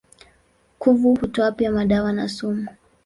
Kuvu hutoa pia madawa na sumu.